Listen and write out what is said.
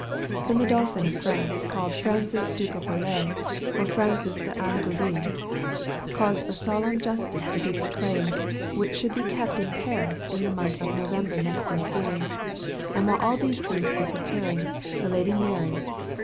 Then the Dolphyn of Fraunce called Frauncys duke of Valoys, or Fraunceys d'Angouleme, caused a solempne iustes to be proclaymed, which shoulde be kept in Parys in the moneth of Noueber next ensuyng, and while al these thinges were prepearyng, the Ladye Mary, the V.